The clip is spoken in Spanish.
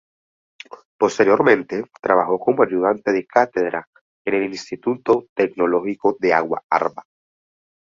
Posteriormente trabajó como ayudante de cátedra en el Instituto tecnológico de Agua Arba.